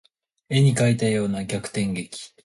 絵に描いたような逆転劇